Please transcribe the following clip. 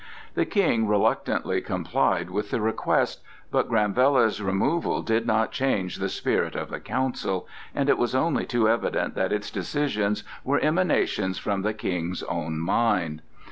The King reluctantly complied with the request, but Granvella's removal did not change the spirit of the Council; and it was only too evident that its decisions were emanations from the King's own mind.